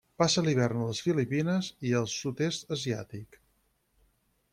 Passa l'hivern a les Filipines i el Sud-est asiàtic.